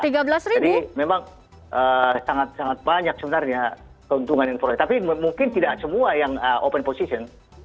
jadi memang sangat sangat banyak sebenarnya keuntungan yang terjadi tapi mungkin tidak semua yang open position